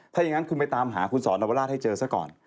ถ้าอย่างนั้นคุณไปตามหาคุณสอนวราชให้เจอซะก่อน